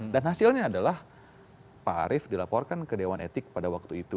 dan hasilnya adalah pak arief dilaporkan ke dewan etik pada waktu itu